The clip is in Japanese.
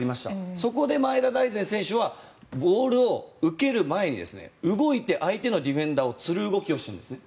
そこで前田大然選手はボールを受ける前に動いて相手のディフェンダーをつる動きをします。